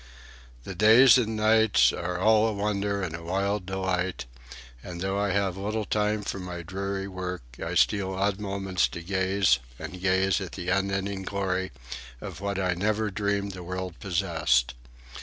The days and nights are "all a wonder and a wild delight," and though I have little time from my dreary work, I steal odd moments to gaze and gaze at the unending glory of what I never dreamed the world possessed.